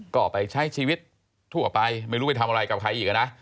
ก็ไปใช้ชีวิตทั่วไปไม่รู้ไปทำอะไรกับใครอีกนะ